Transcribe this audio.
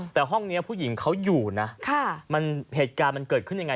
แต่ห้องนี้ผู้หญิงเขาอยู่นะมันเหตุการณ์มันเกิดขึ้นยังไง